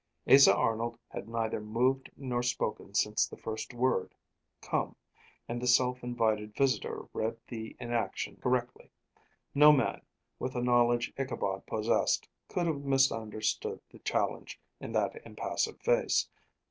Asa Arnold had neither moved nor spoken since that first word, "come"; and the self invited visitor read the inaction correctly. No man, with the knowledge Ichabod possessed, could have misunderstood the challenge in that impassive face.